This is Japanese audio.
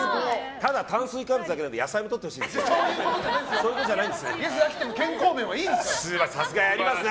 ただ炭水化物だけじゃなくて野菜もとってほしいですね。